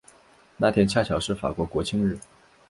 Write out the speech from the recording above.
那天恰巧是法国国庆日。